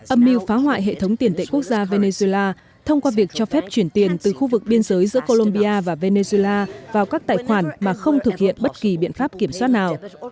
âm mưu phá hoại hệ thống tiền tệ quốc gia venezuela thông qua việc cho phép chuyển tiền từ khu vực biên giới giữa colombia và venezuela vào các tài khoản mà không thực hiện bất kỳ biện pháp kiểm soát nào